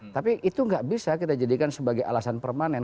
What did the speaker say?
tapi itu nggak bisa kita jadikan sebagai alasan permanen